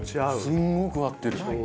すごく合ってる！